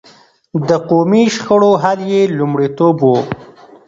د قومي شخړو حل يې لومړيتوب و.